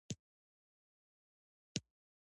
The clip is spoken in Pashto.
پلار ئي صالح شخص وو، هغه به د خپل باغ